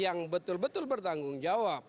yang betul betul bertanggung jawab